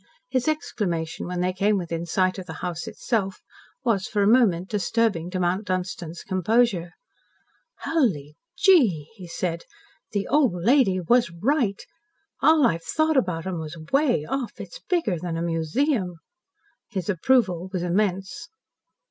His exclamation, when they came within sight of the house itself, was for a moment disturbing to Mount Dunstan's composure. "Hully gee!" he said. "The old lady was right. All I've thought about 'em was 'way off. It's bigger than a museum." His approval was immense.